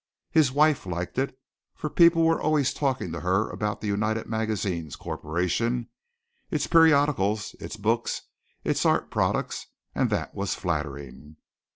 His wife liked it, for people were always talking to her about the United Magazines Corporation, its periodicals, its books, its art products and that was flattering.